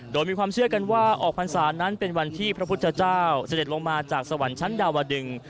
โดยมีความเชื่อกันว่าออกพรรษานั้นเป็นวันที่พระพุทธเจ้าเสด็จลงมาจากสวรรค์ชั้นดาวดึง